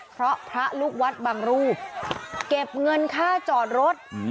เพราะพระลูกวัดบางรูปเก็บเงินค่าจอดรถ